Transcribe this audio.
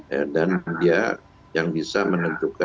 ya dan dia yang bisa menentukan